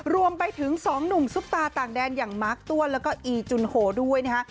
รวมไปถึง๒หนุ่มซุปตาต่างแดนอย่างมาร์คต้วนแล้วก็อีจุนโหด้วยนะฮะ